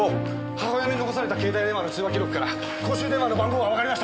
母親に残された携帯電話の通話記録から公衆電話の番号がわかりました。